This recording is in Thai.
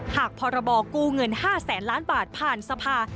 พรบกู้เงิน๕แสนล้านบาทผ่านสภา